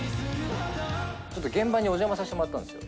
現場にお邪魔させてもらったんですよ。